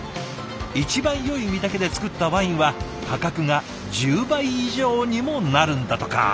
一番よい実だけで造ったワインは価格が１０倍以上にもなるんだとか。